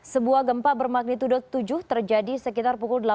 sebuah gempa bermagnitudot tujuh terjadi sekitar pukul delapan belas lewat empat puluh enam